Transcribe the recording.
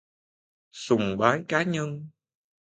Sùng bái cá nhân